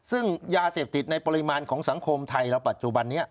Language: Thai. ซึ่งยาเสพติดในปริมาณของสังคมไทยเราปัจจุบันนี้